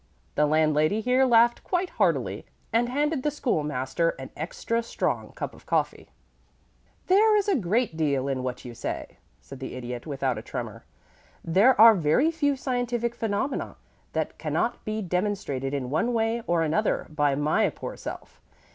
The landlady here laughed quite heartily, and handed the School master an extra strong cup of coffee. "There is a great deal in what you say," said the Idiot, without a tremor. "There are very few scientific phenomena that cannot be demonstrated in one way or another by my poor self.